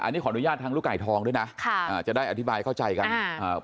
อันนี้ขออนุญาตทางลูกไก่ทองด้วยนะค่ะอ่าจะได้อธิบายเข้าใจกันอ่า